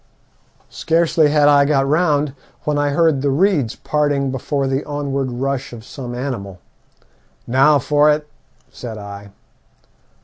Scarcely had I got round when I heard the reeds parting before the onward rush of some animal. 'Now for it,' said I.